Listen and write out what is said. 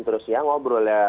terus ya ngobrol ya